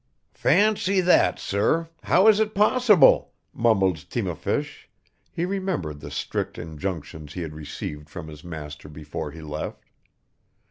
"Fancy that, sir! How is it possible?" mumbled Timofeich (he remembered the strict injunctions he had received from his master before he left).